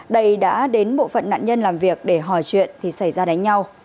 đây đã đến bộ phận nạn nhân làm việc để hỏi chuyện thì xảy ra đánh nhau